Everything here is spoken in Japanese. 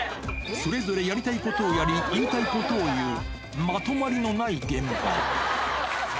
それぞれやりたいことをやり、言いたいことを言う、まとまりのない現場。